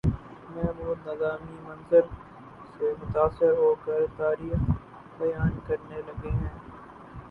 محمود نظامی منظر سے متاثر ہو کر تاریخ بیان کرنے لگتے ہیں